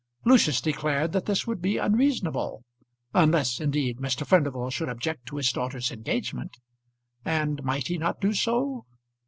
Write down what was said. Lucius declared that this would be unreasonable, unless indeed Mr. Furnival should object to his daughter's engagement. And might he not do so?